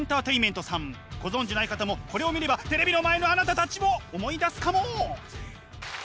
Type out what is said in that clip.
ご存じない方もこれを見ればテレビの前のあなたたちも思い出すかも！